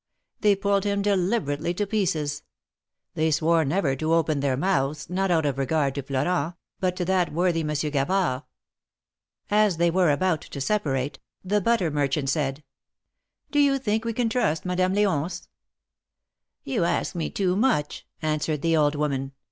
They pulled him deliberately to pieces. They swore never to open their mouths, not out of regard to Florent, but to that worthy Monsieur Gavard. As they were about to separate, the butter merchant said : "Do you think we can trust Madame L4once?" "You ask me too much," answered the old woman.